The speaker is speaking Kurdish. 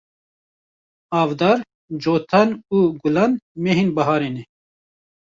Avdar, Cotan û Gulan mehên buharê ne.